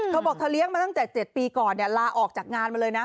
เธอบอกเธอเลี้ยงมาตั้งแต่๗ปีก่อนลาออกจากงานมาเลยนะ